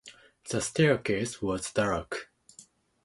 The staircase was dark.